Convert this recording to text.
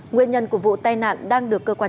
nguyên nhân của vụ tai nạn đang được phát triển